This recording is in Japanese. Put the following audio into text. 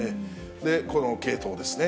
この系統ですね。